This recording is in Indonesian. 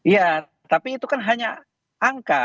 ya tapi itu kan hanya angka